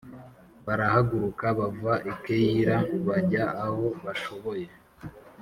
barahaguruka bava i Keyila bajya aho bashoboye